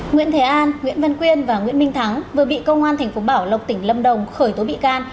nguyễn thế an nguyễn văn quyên và nguyễn minh thắng vừa bị công an tp bảo lộc tỉnh lâm đồng khởi tố bị can